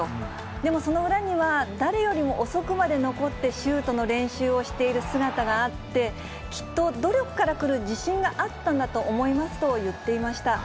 でも、その裏には誰よりも遅くまで残ってシュートの練習をしている姿があって、きっと努力から来る自信があったんだと思いますと言っていました。